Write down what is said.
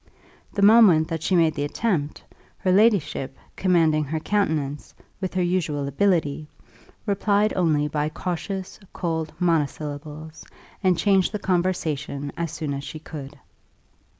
The moment that she made the attempt, her ladyship, commanding her countenance, with her usual ability, replied only by cautious, cold monosyllables, and changed the conversation as soon as she could.